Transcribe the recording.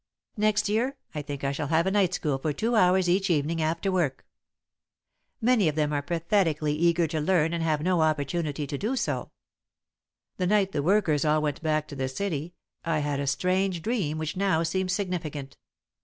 Next year, I think I shall have a night school for two hours each evening after work. Many of them are pathetically eager to learn and have no opportunity to do so. [Sidenote: A Strange Dream] "The night the workers all went back to the city, I had a strange dream which now seems significant.